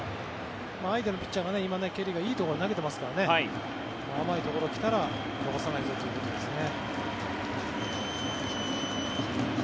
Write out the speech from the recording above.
相手のピッチャー、ケリーが今、いいところに投げてますから甘いところに来たら逃さないぞということですね。